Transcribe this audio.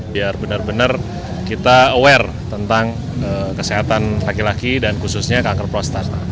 biar benar benar kita aware tentang kesehatan laki laki dan khususnya kanker prostat